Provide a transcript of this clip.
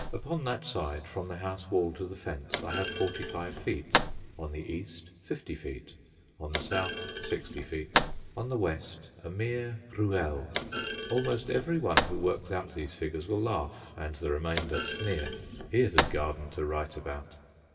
Upon that side, from the house wall to the fence, I have forty five feet, on the east fifty feet, on the south sixty feet, on the west a mere ruelle. Almost every one who works out these figures will laugh, and the remainder sneer. Here's a garden to write about!